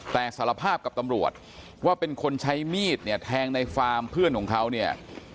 แต่สารภาพกับตำรวจว่าเป็นคนใช้มีดเนี่ยแทงในฟาร์มเพื่อนของเขาเนี่ย